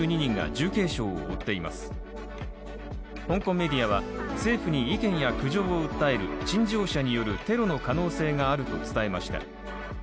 香港メディアは、政府に意見や苦情を訴える陳情者によるテロの可能性があると伝えました